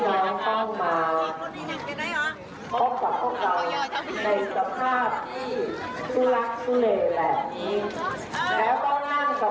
ต้องขอโทษพี่น้องอย่างยุ่งนะคะ